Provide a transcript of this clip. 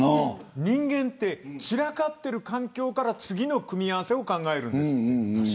人間って散らかっている環境から次の組み合わせを考えるんです。